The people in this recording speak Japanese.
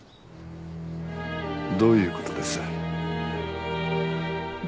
どういう事です？